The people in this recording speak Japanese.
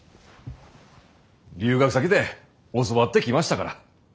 留学先で教わってきましたから。